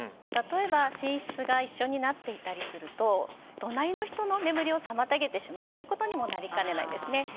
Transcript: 例えば寝室が一緒になっていたりすると隣の人の眠りを妨げるということにもなりかねないんですね。